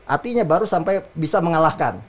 artinya baru sampai bisa mengalahkan